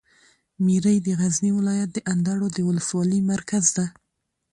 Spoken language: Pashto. میری د غزني ولایت د اندړو د ولسوالي مرکز ده.